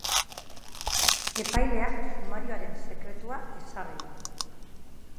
Epaileak sumarioaren sekretua ezarri du.